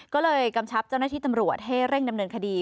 ก็เลยกำชับเจ้าหน้าที่ตำรวจให้เร่งดำเนินคดี